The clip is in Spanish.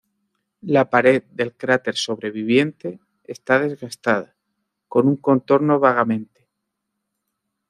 La pared del cráter sobreviviente está desgastada, con un contorno vagamente.